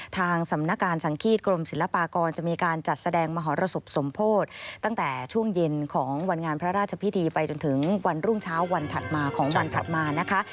ทางสำนักการสังฆีตกรมศิลปากรจะมีการจัดแสดงมหรสบสมโพธิตั้งแต่ช่วงเย็นของวันงานพระราชพิธีไปจนถึงวันรุ่งเช้าวันถัดมาของวันถัดมานะคะ